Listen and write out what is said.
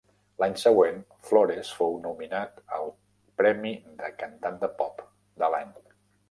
L'any següent, Flores fou nominat al premi de Cantant de pop de l'any.